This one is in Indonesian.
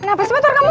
kenapa sih motor kamu